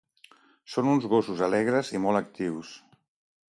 Són uns gossos alegres i molt actius.